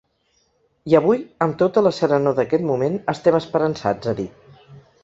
I avui, amb tota la serenor d’aquest moment, estem esperançats, ha dit.